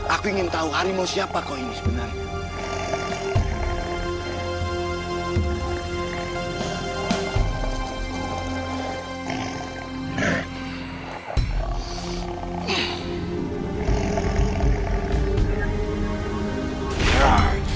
aku ingin tahu harimau siapa kau ini sebenarnya